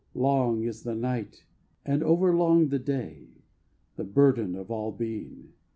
Long is the night, and over long the day. The burden of all being!